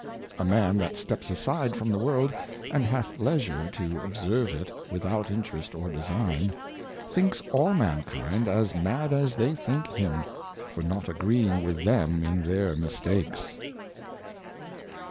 A Man that steps aside fi ora the World, and hath leisure to observe it without Interest or Design, thinks all Mankind as mad as they think him, for not agreeing with them in their Mistakes.